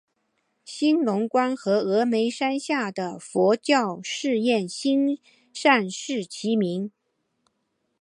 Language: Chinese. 兴隆观和峨嵋山下的佛教寺院兴善寺齐名。